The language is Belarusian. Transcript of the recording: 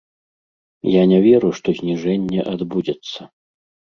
Я не веру, што зніжэнне адбудзецца.